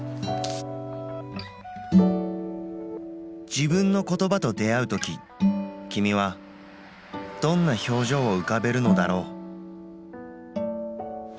自分の言葉と出会う時きみはどんな表情を浮かべるのだろう。